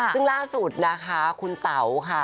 ซึ่งล่าสุดนะคะคุณเต๋าค่ะ